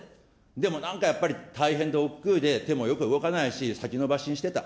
でも、なんかやっぱり大変で億劫で、手もよく動かないし、先延ばしにしてた。